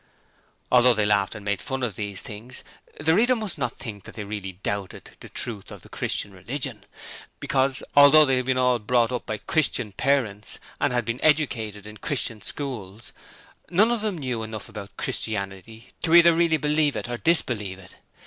Although they laughed and made fun of these things the reader must not think that they really doubted the truth of the Christian religion, because although they had all been brought up by 'Christian' parents and had been 'educated' in 'Christian' schools none of them knew enough about Christianity to either really believe it or disbelieve it.